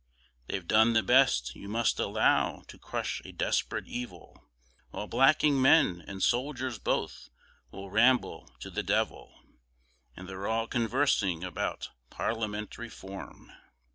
They've done the best you must allow to crush a desperate evil, While Blacking men and Soldiers both will ramble to the devil And they're all conversing about Parliament Reform.